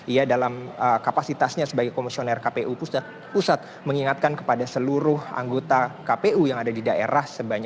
ia dalam kapasitasnya sebagai komisioner kpu pusat mengingatkan kepada seluruh anggota kpu yang ada di daerah